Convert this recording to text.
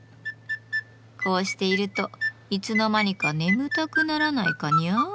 こうしているといつの間にか眠たくならないかニャー？